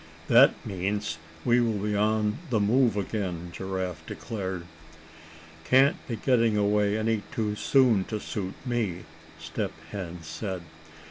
"That means, we will be on the move again," Giraffe declared. "Can't be getting away any too soon to suit me," Step Hen said.